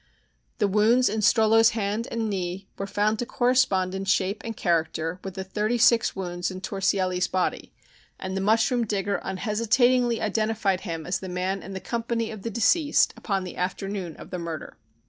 The wounds in Strollo's hand and knee were found to correspond in shape and character with the thirty six wounds in Torsielli's body, and the mushroom digger unhesitatingly identified him as the man in the company of the deceased upon the afternoon of the murder.